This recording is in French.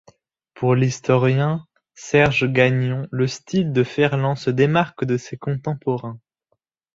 Pour l’historien Serge Gagnon, le style de Ferland se démarque de ses contemporains.